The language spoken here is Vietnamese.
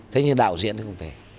thế nhưng đạo diễn nó cũng thế